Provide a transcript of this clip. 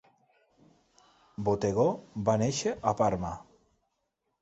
Bottego va néixer a Parma.